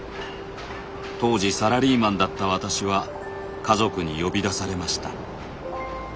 当時サラリーマンだった私は家族に呼び出されました。